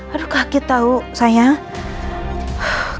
aduh kaget tau sayang